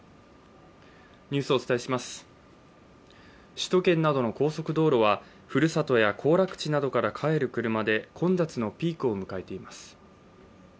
首都圏などの高速道路はふるさとや行楽地などから帰る車で混雑のピークを迎えています